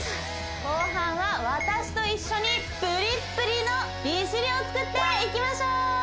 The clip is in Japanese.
後半は私と一緒にプリップリの美尻を作っていきましょう